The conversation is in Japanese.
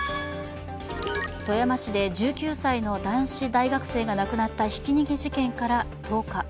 富山市で１９歳の男子大学生が亡くなったひき逃げ事件から１０日。